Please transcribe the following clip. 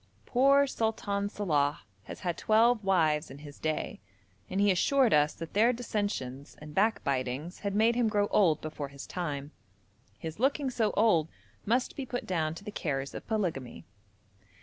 Poor Sultan Salàh has had twelve wives in his day, and he assured us that their dissensions and backbitings had made him grow old before his time; his looking so old must be put down to the cares of polygamy.